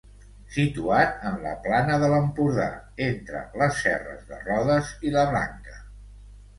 Situat en la plana de l'Empordà, entre les serres de Rodes i la Blanca.